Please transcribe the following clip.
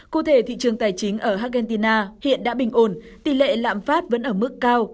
cụ thể thị trường tài chính ở argentina hiện đã bình ổn tỷ lệ lạm phát vẫn ở mức cao